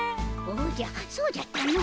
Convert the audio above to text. おじゃそうじゃったの。